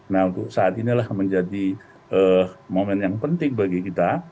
nah untuk saat inilah menjadi momen yang penting bagi kita